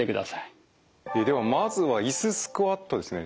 えではまずはいすスクワットですね。